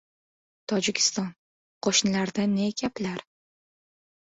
Tojikiston. Qo‘shnilarda ne gaplar?